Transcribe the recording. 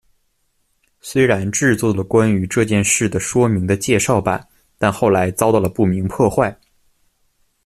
虽然制作了关于这件事的说明的介绍板但后来遭到了不明破坏。